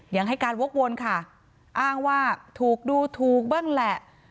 ยังให้การวกวนค่ะอ้างว่าถูกดูถูกบ้างแหละ